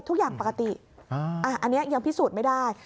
ทุกอย่างปกติอันนี้ยังพิสูจน์ไม่ได้